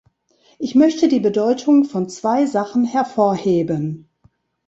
Ich möchte die Bedeutung von zwei Sachen hervorheben.